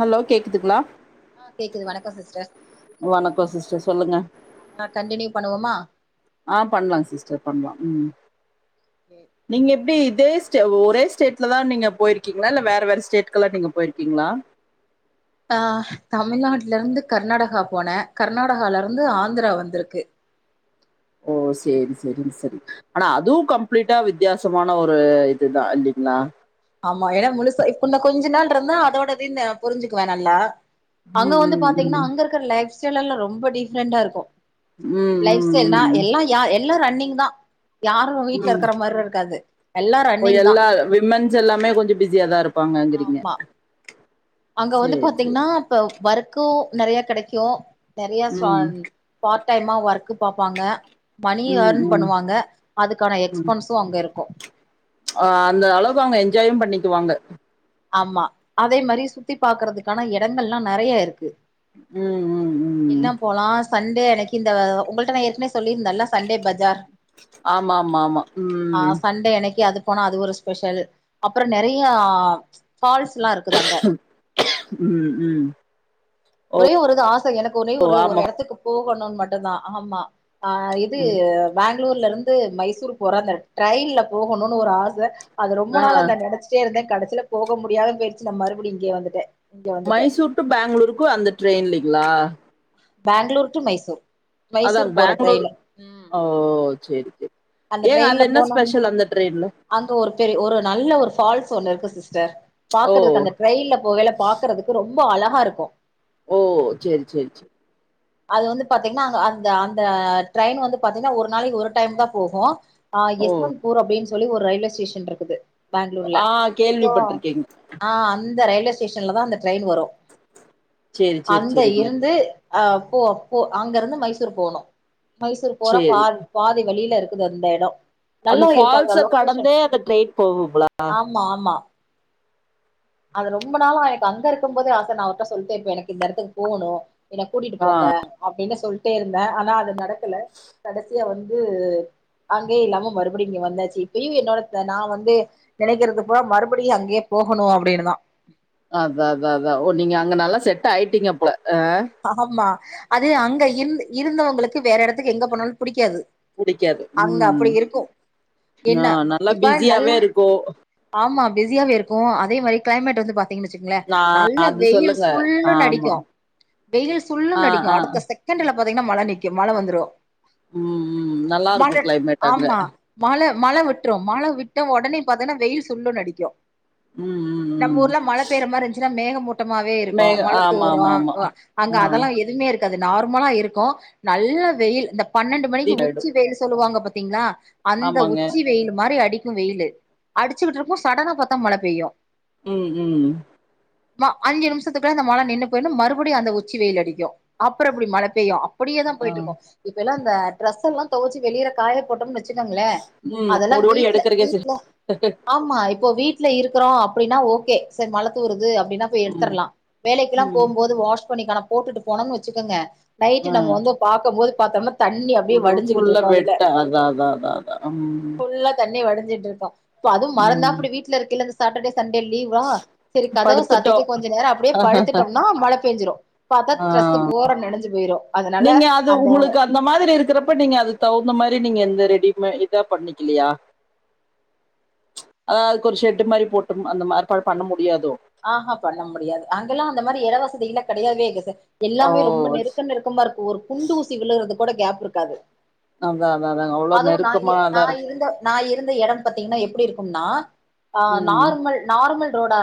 Hello கேக்குதுங்ளா ஆ கேக்குது வணக்க சிஸ்டர் வணக்க சிஸ்டர் சொல்லுங்க ஆ கண்டினியூ பண்ணுவோமா ஆ பண்லா சிஸ்டர் பண்லா ம் கே நீங்க எப்டி இதேஸ்டே ஒரே ஸ்டேட்லதா நீங்க போயிருக்கீங்ளா இல்ல வேற வேற ஸ்டேட்கெலா நீங்க போயிருக்கீங்ளா ஆ தமிழ்நாட்லருந்து கர்நாடகா போன கர்நாடகாலருந்து ஆந்த்ரா வந்திருக்கு ஓ சேரி -செரிங் -செரி ஆனா அதுவு கம்ப்ளீட்டா வித்யாசமான ஒரு இதுதா இல்லிங்ளா ஆமா ஏனா முழுசா இப்ப இன்னு கொஞ்ச நாள்ருந்தா அதோடதியு நா புரிஞ்சுக்குவே நல்லா அங்க ம் வந்து ம், பாத்தீங்னா ம். அங்கருக் க லைப் ஸ்டைல்லெல்லா ரொம்ப டிஃப்ரெண்டாருக்கு ம், லைஃப் ஸ்டைல்னா- ம், ம். எல்லா யா எல்லா ரன்னிங்தா யாரு வீட்ல ம். இருக்கிற மார்ருக்காது எல்லா ஓ ரன்னிங்தா எல்லா விமன்ஸ் எல்லாமே கொஞ்ச பிஸியாதா இருப்பாங்கங்கிறீங்க ஆமா அங்க வந்து சரி சரி பாத்தீங்னா இப்ப ஒர்க்கு நெறையா கெடைக்கு ம் நெறையாச்சுவன் பார்ட் டைமா ஒர்க்கு பாப்பாங்க மணியு ம் ஏர்ன் ம் பண்ணுவாங்க அதுக்கான ம். எக்ஸ்பன்ஸ் கு அங்க இருக்கு ஆ அந்தளவுக்கு அவுங்க என்ஜாயு பண்ணிக்குவாங்க ஆம்மா அதே மாரி சுத்தி பாக்கறதுக்கான எடங்கள்ல்லா நெறைய இருக்கு ம் ம் ம் எல்லாம் போலா சண்டே அன்னைக்கி இந்த உங்கள்ட்ட நா ஏற்கனே சொல்லியிருந்தல்ல சண்டே பஜார் ஆமா ஆமா ஆமா ஆ ம் சண்டே அன்னைக்கி அது போனா அது ஒருச் ஸ்பெஷல் அப்ற நெறையா ஃபால்ஸ்லா இருக் ம் ம் ஓ ஒரே ஒரு இது ஆச எனக்கு ஒரே ஒரு ஒரு ஆமா எடத்துக்கு போகணுன் மட்டுந்தா ஆமா ஆ இது பேங்ளூர்லருந் து மைசூர் போற அந்த ட்ரெயின்ல போகணுனு ஒரு ஆச அது ரொம்ப ஆ நாளா இந்த நெனச்சி ட்டே இருந்த கடைசில போக முடியாத போயிருச்சு நா மறுபடி இங்கே வந்துட்டே இங்க வந்துட்டே மைசூர் டு பேங்ளூருக்கு அந்த ட்ரெயின்ல்லிங்ளா பேங்ளூர் டு மைசூர் அதா மைசூர் போற பேங்களூரு ட்ரெயினு ம் - ஓ சேரி -சேரி அந்த ஏங்க அது ட்ரெயின்ல என்ன போனோம்னா ஸ்பெஷல் அந்த ட்ரெயின்ல அங்க ஒரு பெரி ஒரு நல்ல அங்க ஒரு ஃபால்ஸ் ஒன்னு இருக்கு சிஸ்டர் ஓ பாக்கறதுக்கு அந்த ரயில்ல போகையில பாக்கறதுக்கு ரொம்ப அழகாருக்கு ஓ சேரி சேரி சே அது வந்து பாத்தீங்னா அங்க அந்த அந்த ட்ரெயின் வந்து பாத்தீங்னா ஒரு நாளைக்கு ஒரு டைம்தா போகு ஆ ஓ எஸ்மந்த்பூர் அப்டின் சொல்லி ஒரு ரயில்வே ஸ்டேஷன் ட்ருக்குது பேங்ளூர்ல ஆ கேள்விப்பட்டிருக்கேங்க ஆ அந்த ரயில்வேஸ் ஸ்டேஷன்லதா அந்த ட்ரெயின் வரு சேரி சேரி அந்த சேரிங்க இருந் து அ போ போ அங்கருந்து மைசூர் போனு மைசூர் போறப் சேரி பால் பாதி வழில இருக்குது அந்த எடோ அந்த நல்லா இருக்கு அந்த ஃபால்ஸ கடந்தே அந்த ட்ரெயின் போகுங்ளா மா மா அது ரொம்ப நாளா எனக்கு அங்க இருக்கும் போதே ஆச நா அவர்ட்ட சொல்ட்டே இப்பே எனக்கு இந்த எடத்துக்கு போவுணு என்ன கூட்டிட்டு ஆ போங்க அப்டினு சொல்ட்டே இருந்தே ஆனா அது நடக்கல கடசியா வந்து அங்கியு இல்லாம மறுபடியு இங்க வந்தாச்சி இப்பியு என்னோடத் நா வந்து நெனைக்கிறதுப்ப மறுபடியு அங்கியே போகணு அப்டினுதா அதா அதா அதா ஓ நீங்க அங்க நல்லா செட் ஆயிட்டீங்க அப்ல அ ஆமா அது அங்க இருந் இருந்தவங்களுக்கு வேற எடத்துக்கு எங்க போனாலு புடிக்காது புடிக்காது அங்க ம் அப்பிடி இருக்கு ஆ என்ன நல்லா இப்ப பிஸியாவே நல்லா இருக்கு ஆமா பிஸியாவே இருக்கு அதே மாரி கிளைமேட் வந்து பா த்திங்கன்னு வச்சுங்களே நா நல்லா அது வெயில் சொல்லுங்க சுல்லுனு அடிக்கு ஆமா வெயில் ஆ சுல்லுனு அடிக்கு ஆ அடுத்த செகண்ட்டுல பாத்தீங்கன்னா மழ நிக்கு மழ வந்துரு ம் ம் நல்லா இருக்கு கிளைமேட் அங்க ஆமா மழ மழ விட்று மழ விட்ட ஒடனே பாத்தீங்ன்னா வெயில் சுல்லுனு அடிக்கு ம் ம் நம்ம ம் ஊர்ல மழ பெய்ற மாரி இருந்ச்சுன்னா மேகமூட்டமாவே இருக்கு மே மழ ஆமா தூரோ ஆமா ஆமா வ அங்க ஆ அதெல்லா எதுவுமே இருக்காது நார்மலா இருக்கு நல்ல வெயில் இந்த பன்னெண்டு மணிக்கு ஆயிடு உச்சி வெயில் சொல்லுவாங்க பாத்தீங்களா அந்த ஆமாங்க உச்சி வெயில் மாரி அடிக்கு வெயிலு அடிச்சுட்டு இருக்கும்போ சடனா பாத்தா மழ பெய்யு ம் ம் ம அஞ்சு நிமிச்சத்துக்குள்ள அந்த மழ நின்னு போயிடு மறு படியு அந்த உச்சி வெயில் அடிக்கு அப்புறோ அப்டி மழ பெய்யு அப்படியே தா ஆ போயிட்டு இருக்கு இப்பெல்லா அந்த ட்ரெஸ் எல்லா துவச்சி வெளியற காய போட்டம்னு வச் சுக்கங்களே ம் அதெல்லா ஓடி ஓடி வீட்ல எடுக்கறக்கே சரி வீட்ல ஆம் மா இப்போ வீட்ல இருக்குறோ அப்டின்னா ஓகே சரி மழ துவருது அப்டின்னா ம் எடுத்துட்லா வேலைக்கெல்லா ம் போம் போது வாஷ் பண்ணிக்கானா போட்டுட்டு போனோன்னு வச்சுக்கோங்க நைட்டு ஆ நம்ம வந்து பாக்கம் போது பாத்தோம்னா தண்ணி அப்டியே ஃபுல்லா வடிஞ்சுகுட்ருக்கு அதுல வெட்ட அதா அதா அதா அதா ம் ஃபுல்லா தண்ணி வடிஞ்சிட்ருக்கு அதுவு மறந்தா ம் அப்டி வீட்ல இருக்கைல அந்த சாட்டர்டே சண்டே லீவ்வா செரி கதவ படுத்துட்டோ சாத்திட்டு கொஞ்ச நேரோ அப்டியே படுத்துட்டம் னா மழ பெஞ்சிறு பாத்தா ஆ ட்ரெஸ்ஸீ போற நெஞ்சு போயிரு அதனால நீங்க அது அந்த உங்களுக்கு அந்த மாரி இருக்கிறப்ப நீங்க அதுக்கு தகுந்த மாரி நீங்க எந்த ரெடிமே இதா பண்ணிக்குலையா ஆ அதுக்கு ஒரு ஷட்டு மாரி போட்டும் அந்த மார்பாடு பண்ண முடியாதோ ஆஹா பண்ண முடியாது அங்கெல்லா அந்த மாரி எட வசதிலா கெடையாவே இல்ல ச ஓ எல்லாமே ரொம்ப நெருக்க நெருக்கமா இருக்கு ஒரு குண்டு ஊசி விழுறதுக்கு கூட கேப் இருக்காது அதா அதா அதாங்க அவ்ளோ அதுவு நா இ நெருக்கமாதா நா இருக் இருந்த நா இருந்த எடம் பாத்தீங்கன்னா எப்டி இருக்கும்னா ஆ ம் நார்மல் நார்மல் ரோடா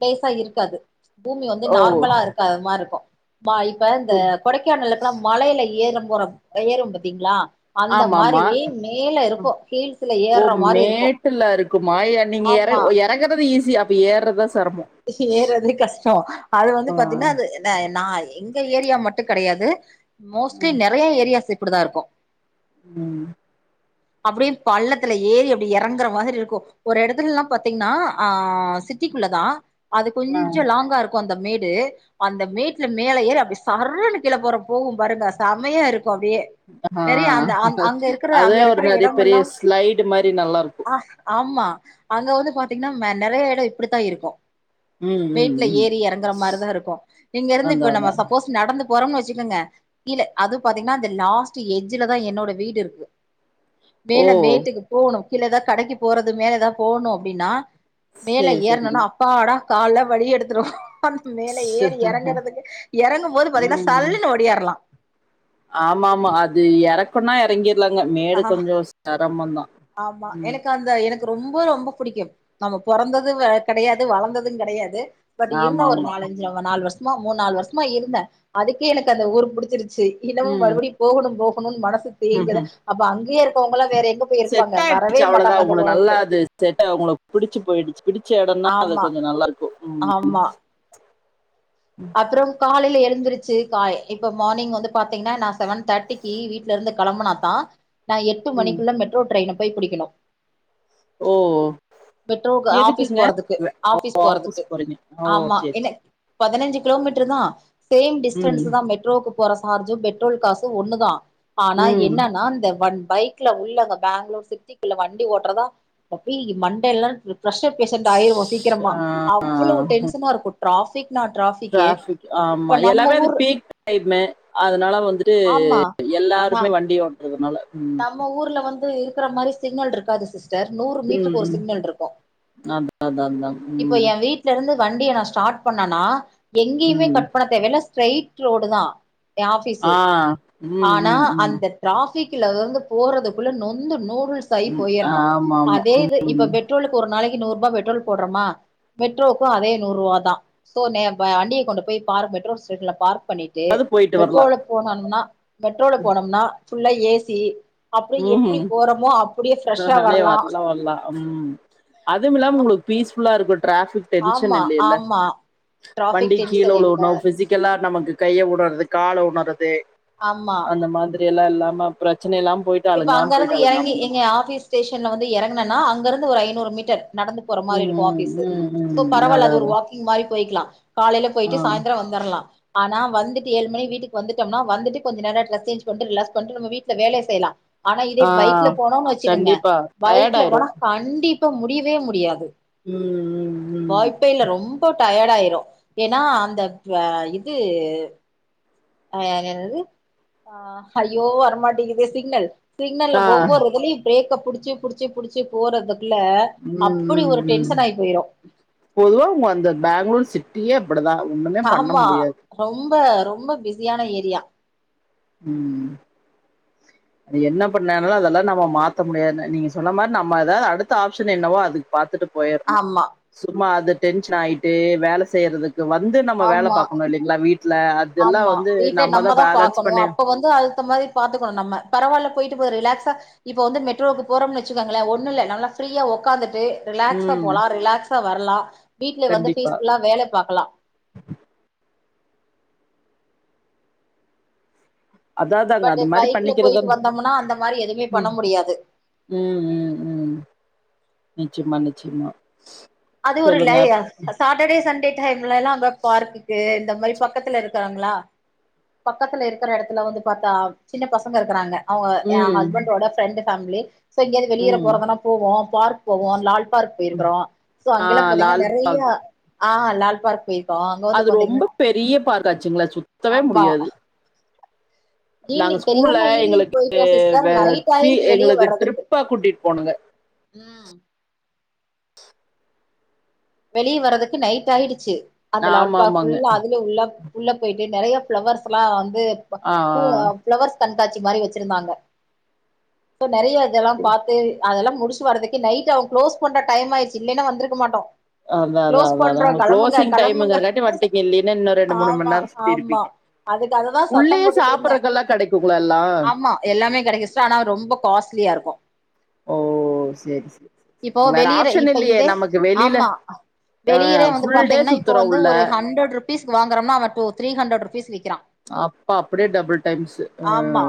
பிளேஸா இருக்காது பூமி வந்து ஓ நார்மலா இருக்காத மாரி இருக்கு மா இப்ப இந்த கொடைக்கானல்ல பொனா மலையில ஏறம் போற ஏறுவோ பாத்தீங்களா அந்த ஆமா மாரி ஆமா மேல இருக்கு ஹில்ஸுல ஓ மேட்டுல இருக்குமா எ நீங்க எற ஆமா எறக்குறது ஈஸி அப்ப ஏற்றதா செரமோ ஏறது கஷ்டொ அது வந்து ஆ பாத்தீங்கன்னா அந்த இல்ல நா எங்க ஏரியா மட்டு கெடையாது மோஸ்ட்லி ம் நறைய ஏரியாஸ் இப்டிதா இருக்கு ம் அப்டியு பள்ளத்துல ஏறி அப்டி எறங்குற மாதிரி இருக்கு ஒரு எடத்துலல்லா பாத்தீங்ன்னா ஆ சிட்டிக்குள்ள தா அது ஆ கொஞ்சொ லாங்கா இரு க்கு அந்த மேடு அந்த மேட்டுல மேல ஏறி அப்டி சர்ருன்னு கிழ போற போகு பாருங்க செம்மையா இருக்கு அப்டியே ஆ. நெறையா அந்த அங் அங்க இருக்குற அதே அங்க ஒரு இருக்குற நெறைய எடம் பெரிய எல்லா ஸ்லைடு மாரி நல்லா இருக்கு ஆ ஆமா அங்க வந்து பாத்தீங்ன்னா மெ நெறைய எடொ இப்டித்தா இருக்கு ம் ம் மேட்ல ம் ஏறி எறங்குற மாரிதா இருக்கு இங்க இருந்து அதா இப்ப நம்ம அதா சப்போஸ் நடந்து போறோம்னு வச்சுக்கங்க இல்ல அது பாத்தீங்கன்னா இந்த லாஸ்ட் ஏஜ்ஜுல தா என்னோட வீடு இருக்கு ஓ மேல மேட்டுக்கு போணு கீழ ஏதா கடைக்கு போறது மேலே ஏதா போகணு அப்டின்னா மேல சேரி ஏறணுன்னா சேரிங்க அப்பாடா கால்லா வலி எடுத்துடு மேல ஏறி எறங்கறதுக்கு எறங்கும் போது பாத்தீங்கன்னா ம் சல்லுன்னு ஒடியாருல ஆமா ஆமா அது எறக்கொன்னா எறங்கிட்லாங்க மேடு ஆஹ் கொஞ்ச செரமொதா ஆமா எனக்கு அந் த எனக்கு ரொம்ப ரொம்ப புடிக்கும் நம்ம பொறந்தது வ கெடையாது வளந்தது கெடையாது பட் இருந்தே ஆமா ஒரு ஆமா நாலஞ்சு வ நாலு வருஷமா மூண் நாலு வருஷமா இருந்தே அதுக்கே எனக்கு அந்த ஊர் புடிச்சிருச்சு இன்னமும் மறுபடியு போகணு போகணுன் மனசு தேங்குத ம் அப்ப அங்கயே இருக்கவங்கல்லா வேற எங்க போய் இரு செட்டா [inaudible] ச்சு அவ்ளோதா அவுங்களுக்கு நல்லா அது செட் [inaudible] அவங்கள பிடிச்சு போயிடுச்சு பிடிச்ச எடந்தா அது ஆமா கொஞ்சோ நல்லாரு ஆமா அப்பறோம் காலைல எழுந்துருச்சு காய் இப்ப மார்னிங் வந்து பாத்தீங்ன்னா நா செவன் தேட்டி க்கி வீட்ல இருந்து கெளம்பனா தா நா எட்டு ம். மணிக்குள்ள மெட்ரோ ட்ரெயின்ன போய் புடிக்கணு ஓ ஓ மெட்ரோக்கு ஆபீஸ் போறதுக்கு ஆபீஸ் ஆஃபீஸ் போறதுக்கு போறீங்க ஓ ஆமா சரி என்ன சரி பதினைஞ்சு கிலோமீட்டர் தா சேம் டிஸ்டன்ஸ் ம் தா மெட்ரோக்கு போற சார்ஜும் பெட்ரோல் காசு ஒன்னுதா ஆனா ம் என்னன்னா இந்த ஒன் பைக் ல உள்ளங்க பேங்ளூர் சிட்டிக்குள்ள வண்டி ஓட்டுறதா அப்டீ மண்டேல்லா பிரஷர் பேஷன்ட் ஆயிருவோ சீக்கிரமா அவ்ளோ டென்ஷனா இருக்கு ட்ராஃபிக்னா‌ ட்ராஃபிக் ட்ராஃபிக் ஆமா எல்லாமே அது பீக் டைம்மு அதனால வந்துட்டு ஆமா நா எல்லாருமே வண்டி ஓட்றதுனால நம்ம ஊர்ல வந்து இருக்கற மாரி சிக்னல்ட்ருக்காது சிஸ் டர் நூறு ம் மீட்டருக்கு ஒரு ம். சிக்னல்ட்ருக்கு அதான் அதான் அதான் இப்ப ம் எ வீட் ல இருந்து வண்டிய நா ஸ்டார்ட் பண்ணனா எங்கேயுமே ம் கட் பண்ண தேவைல்ல ஸ்ட்ரைட் ரோடு தா எ ஆஃபீஸு ஆ ம் ஆனா ம் ம் அந்த டிராஃபிக்லர்ந்து போறதுக்குள்ள நொந்து நூடுல்ஸ் சாய் ம் போயிர்ணு ஆமா ஆமா அதே இது இப்ப ம் பெட்ரோலுக்கு ஒரு நாளைக்கு நூர்ருபா பெட்ரோல் போடுறமா மெட்ரோக்கு அதே நூர்ருவாதா சோ நே வ வண்டிய கொண்டு போய் பார்க் மெட்ரோ ஸ்டேஷன்ல பார்க் பண்ணிட் டு அது போயிட்டு வரலாம் மெட்ரோல போனம்னா மெட்ரோல போனம்னா ஃபுல்லா ஏ சி அப்டிய ம் எப்டி போறோமோ அப்டியே ஃப்ரெஷ்ஷா ஆஹானே வரறலா வர்ல வர்லா ம் அதுமில்லாம உங்களுக்கு பீஸ் ஃபுல்லா இருக்கு ட்ராஃபிக் டென்ஷன் ஆமா இல்லைல ஆமா டிராஃபிக் வண்டி கீழ டென்ஷன் உழுவனு இல்ல பிசிக் லா நமக்கு கைய உடுறது கால உணறது ஆமா அந்த மாத் ரில்லா இல்லாம பிரச்சன இல்லம போயிட் இப்ப அங்கருந்து இறங்கி எங்க ஆபிஸ் ஸ்டேஷன்ல வந்து இறங்கனனா அங்கருந்து ஒரு ஐநூறு மீட்டர் நடந்து போற மாரி இருக்கு ம் ஆபீஸ்ஷு ம் சோ ம் பரவால்ல அதா அது ஒரு அதா வாக்கிங் மாரி போயிக்லா காலைல ஆ போயிட்டு சாய்ந்ரோ வந்தர்லா ஆனா வந்துட்டு ஏழு மணி வீட்டுக்கு வந்துட்டம்னா வந்துட்டு கொஞ்ச நேரோ ட்ரஸ் சேஞ் பண்ட்டு ரிலாக்ஸ் பண்ட்டு நம்ம வீட்ல வேலய செய்லா ஆனா இதே பைக்ல ஆ போனோன் வச்சுக்கோங்க கண்டிப்பா டயர்ட் பைக்ல ஆயிரு போனா கண்டிப்பா முடியவே முடியாது ம் ம் ம் வாய்ப்பே இல்ல ரொம்போ டயேட்டாயிரு ஏனா அந்த ட்ரே இது அய என்னது ஆ ஐயோ வரமாட்டேக்குது சிக்னல் சிக்னல்ல ஆ ஒவ்வொரு இதுலயு பிரேக்க புடிச்சு புடிச்சு புடிச்சு போறதுக்குள்ள ம் அப்படி ம் ஒரு ம் டென்ஷன்னாய் போயிரு பொதுவா உங்க அந்த பேங்ளூர் சிட்டியே அப்டிதா ஒண்ணுமே பண்ண ஆமா முடியாது ரொம்ப ரொம்ப பிஸியான ஏரியா ம் அது என்ன பண்ணனாலு அதெல்லா நம்ம மாத்த முடியாது நீங்க சொன்ன மாரி நம்ம ஏதாவ்து அடுத்த ஆப்ஷன் என்னவோ அதுக்கு பாத்துட்டு போயிர்ணு ஆமா சும்மா அது டென்ஷன் ஆயிட்டு வேல செய்யறதுக்கு வந்து நம்ம வேல ஆமா பாக்கணு இல்லி ங்ளா வீட்ல அதெல்லா ஆமா வந்து வீட்ல நம்மதா பேலன்ஸ் பாக்கணு பண்ணி அப்ப வந்து அல்த்த மாரி பாத்துக்கணு நம்ம பரவால்ல போய்ட்டு போது ரிலாக்ஸா இப்ப வந்து மெட்ரோவுக்கு போறோம்ன் வெச்சுக்காங்ளே ஒன்னு இல்ல நம்ள ஃப்ரீயா உக்காந்துட்டு ரிலாக்ஸா ம் போலா ரிலாக்ஸா வர்லா வீட்ல வந்து கண்டிப்பா. பீஸ்ஃபுல்லா வேல பாக்லா அதாதாங்க பட் அது மாரி பைக்ல பண்ணிக்கிறது போயிட்டு வந்தம்னா அந்த மாரி எதுமே பண்ண ம். முடியாது ம் ம் ம் நிச்சய்மா நிச்சய்மா அது ஒரு லேயா சாட்ட டே சண்டே டைம்லல்லா அ பார்க்குக்கு இந்த மாதிரி பக்கத்துல இருக் காங்ளா பக்கத்துல இருக்கிற எடத்துல வந்து பாத்தா சின்ன பசங்க இருக்கறாங்க அவங்க என் ம், ஹஸ்பண்டோட ஃப்ரெண்டு் ஃபேம்லி சோ எங்கயாவது வெளியேற ம். போறதுனா போவோ பார்க் போவோ லால் பார்க் போயிருக்குறோ சோ ஆ அங்கல்லா பாத்தீங்கன்னா லால் நெறைய ஆ லால் பார்க் போய் அது ரொம்ப பெரிய பார்க்காட்சுங்களே சுத்தவே முடியாது நாங்க ஈவி்னிங் ஸ்கூல்ல தெரியாம ஈவி்னிங் எங்களுக்கு போயிட்டோ சிஸ்டர் வே நைட் ஃபீ ஆய்ருச்சு வெளிய எங்களுக்கு வர்றதுக்கு ட்ரிப்பா கூட்டிட்டு போனோங்க. ம் வெளிய வர்றதுக்கு நைட் ஆய்டுச்சு அந்த ஆமா லால்பா ஆமாங்க. ஃபுல்லா அதுல உள்ள உள்ள போய்ட்டு நெறைய ஃப்ளவர்ஸ்ல்லா வந்து ஆ பூ ஃப்ளவர்ஸ் கண்காட்சி மாரி வச்சிருந்தாங்க‌ சோ நெறைய இதெல்லா பாத்து அதெல்லா முடிச்சு வரதுக்கு நைட் அவ க்ளோஸ் பண்ற டைம் ஆய்ருச்சு இல்லன்னா வந்திருக்க மாட்டோ ஆ அதான் அதான் க்ளோஸ் அதான் அதான் பண்றோ உங்களுக்கு கெளம்புங்க க்ளோசிங் கெளம்புங்க டைமுங்கிறங்காட்டி வந்ட்டீங்க இல்லைன்னா இன்னும் மணி ஆமா நேரம் ஆமா சுத்திருப்பீங்க. அதுக்காகதா சத்த உள்ளயே போட்டுட்டு இருந்த சாப்பிடறக்கெல்லாம் கெடைக்குங்களா எல்லாம்? ஆமா எல்லாமே கெடைக்கு சிஸ்டர் ஆனா ரொம்ப காஸ்ட்லியா இருக்கு ஓ! சரி, சரி. இப்போ வேற வெளியற ஆப்ஷன் இப்ப இல்லையே இதே நமக்கு வெளியில ஆமா அ வெளியற வந்து ஃபுல் டே பாத்தீங்கன்னா இப்ப சுத்துறோம் வந்து உள்ள. ஒரு ஹண்ட்ரட் பீஸ் க்கு வாங்குறோமா அவ டு த்ரீஹண்ட்ரட் ருபிஸ் விக்கிறா அப்ப அப்டியே டபுள் டைம்ஸ் அ ஆமா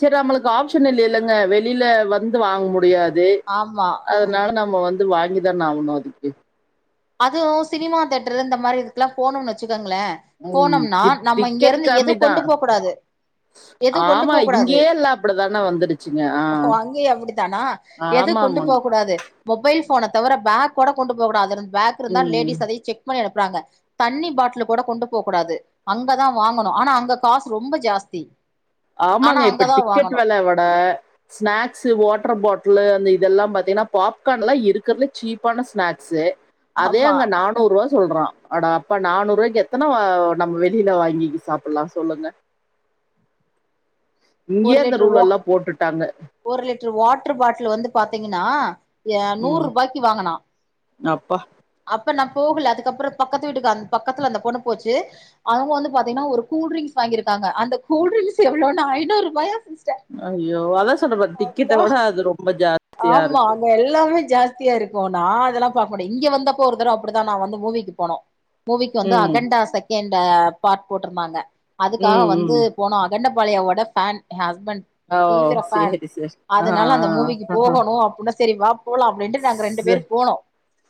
சரி நம்மளுக்கு ஆப்ஷன் இல்லைல்லங்க வெளில வந்து வாங்க முடியாது ஆமா அது அதனால நம்ம வந்து வாங்கி தான ஆகணு அதுக்கு அதுவு சினிமா தேட்டரு இந்த மாரி இதுக்கெல்லா போனுன் வச்சுக்கோங்களே ம். போனோம்னா டிக் நம்ம இங்க டிக்கெட் இருந்து எது கம்மி கொண்டு தான். போ கூடாது எது கொண்டு ஆமா, போ கூடாது இங்கேயே எல்லாம் அப்படிதான வந்துருச்சுங்க. ஆ. எது கொண்டு போ ஆமாமாங்க. கூடாது மொபைல் ஃபோன தவிர பேக் கூட கொண்டு போ கூடாது பேக் இருந்தா ம். லேடிஸ் அதையு செக் பண்ணி அனுப்புறாங்க தண்ணி பாட்ல கூட கொண்டு போ கூடாது அங்கதா வாங்கணு ஆனா அங்க காசு ரொம்ப ஜாஸ்தி ஆனா ஆமாங்க இப்ப அங்கதா டிக்கெட் வாங்கணு வெல விட ஸ்நாக்ஸ்ஸூ வாட்டர் பாட்லு அந்த இதெல்லா பாத்தீங்கன்னா பாப்கார்ன்ல்லா இருக்கறதுல சீப்பான ஸ்நாக்ஸ்ஸு அதே ஆமா அங்க நானூறுவா சொல்றா அட அப்ப நானூறுரூவாய்க்கு எத்தன நம்ம வெளில வாங்கி சாப்டலா சொல்லுங்க இங்கயே ஒரு அந்த லிட்டர் ரூல் வா எல்லா போட்டுட்டாங்க ஒரு லிட்டர் வாட்டர் பாட்டில் வந்து பாத்தீங்கன்னா நூறு ம். ரூபாய்க்கு வாங்கனா அப்பா அப்ப நான் போகல அதுக்கப்பற பக்கத்து வீட்டுக்கு அந்த பக்கத்துல அந்த பொண்ணு போச்சு அவங்க வந்து பாத்தீங்கன்னா ஒரு கூல்ட்ரிங்க்ஸ் வாங்கிருக்காங்க அந்த கூல்ட்ரிங்க்ஸ் எவ்ளோனா ஐநூரூபாயா சிஸ் ஐய்யோ அதா சொல்ற டிக்கெட்ட விட அது ரொம்ப ஜாஸ்தியா ஆமா இருக்கு அங்க எல்லாமே ஜாஸ்தியா இருக்கு நா அதெல்லா பாக்க முடியு இங்க வந்தப்போ ஒரு தர அப்படிதா நா வந்து மூவிக்கு போனோ மூவிக்கு வந்து ம். அகண்டா செகண்ட் பார்ட் போட்ருந்தாங்க அதுக்காக ம், வந்து ம். போனோ அகண்ட பாளையாவோட ஃபேன் என் ஹஸ்பண்ட் ஓ! தீவிர ஃபேன் சரி, சரி. ஆ, அதனால அந்த மூவிக்கு ஆ. ஆ. போகணு அப்படின் சரி வா போலா அப்படின்ட்டு நாங்க ரெண்டு ச பேரு போனோ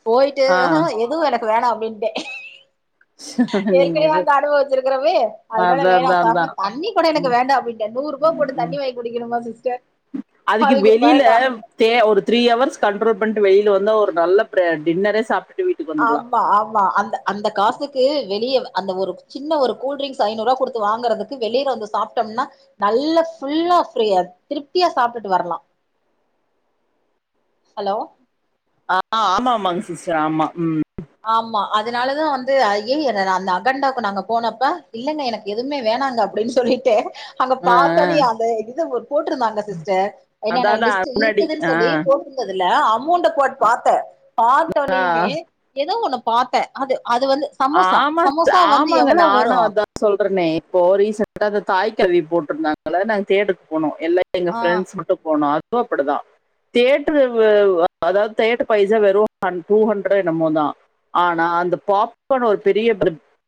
போய்ட்டு ஆ. எதுவு எனக்கு வேணா அப்படின்ட்டே ச [inaudible] ஏற்கனவே அங்க அனுபவச்சிருக்கோமே அதனால அதான், வேணாம் அதான், சாமி அதான். தண்ணி கூட ம், எனக்கு வேண்டா அப்படின்டே நூறு லோன் போட்டு ம். தண்ணி வாங்கி குடிக்கணுமா சிஸ்டர் அதுக்கு வெளில சே ஒரு த்ரீ அவர்ஸ் கண்ட்ரோல் பண்ட்டு வெளில வந்தா ஒரு நல்ல டின்னரே சாப்ட்டுட்டு வீட்டுக் அ ஆமா அந்த அந்த காசுக்கு வெளிய அந்த ஒரு சின்ன ஒரு கூல்ட்ரிங்க்ஸ் ஐநூறுவா குடுத்து வாங்குறதுக்கு வெளிய வந்து சாப்ட்டோம்னா நல்ல ஃபுல்லா திருப்தியா சாப்ட்டுட்டு வரலா ஹலோ? ஆ ஆமாமாங் சிஸ்டர் ஆமா ம். ஆமா அதனாலதா வந்து அய்யய்ய ந நா அந்த அகண்டாவ்க்கு நாங்க போனப்ப இல்லங்க எனக் எதுமே வேணாங்க அப்டினு சொல்லிட்டு அங்க ஆ, ஆ. பாத்தொனியு அந்த இது ஒர் போட்ருந்தாங்க சிஸ்டர். அதான் என்னன்ன அதான் லிஸ்ட்டு முன்னாடி இருக்குதுன் ஆ சொல்லி போட்ரு ந்ததுல அமௌண்ட போட் பாத்தே ஆ. பாத்தொனியுமே எதோ ஒண்ண பாத்தே அது அது வந்து சமோசா சமோசா வந்து எவ்வளோ வரு? சொல்றனே இப்போ ரீசெண்டா அந்த தாய்க்கெழவி போட்டிருந்தாங்கள்ல நாங்க தேட்ருக் போனோ எல்லா எங்க ஆ ஃப்ரெண்ட்ஸ் மட்டு போனோ அதுவு அப்பிடிதா. தியேட்ரு வ வ் அதாவ் தியேட்ரு பைசா வெறு ஹண் டூ ஹண்ட்ரோ என்னமோ தா. ம் ஆனா அந்த பாப்கான் ஒரு பெரிய பிர